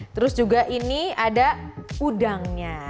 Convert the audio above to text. terus juga ini ada udangnya